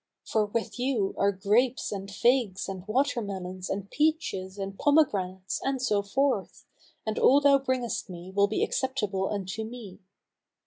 For with you are grapes and figs and water melons and peaches and pomegranates and so forth, and all thou bringest me will be acceptable unto me.